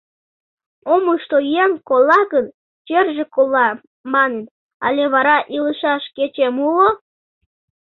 Омышто еҥ кола гын, черже кола, маныт, але вара илышаш кечем уло?..